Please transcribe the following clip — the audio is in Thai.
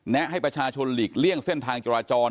ให้ประชาชนหลีกเลี่ยงเส้นทางจราจร